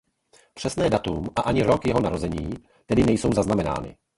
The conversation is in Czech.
Přesné datum a ani rok jeho narození tedy nejsou zaznamenány.